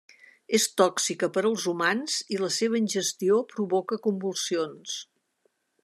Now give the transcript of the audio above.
És tòxica per als humans i la seva ingestió provoca convulsions.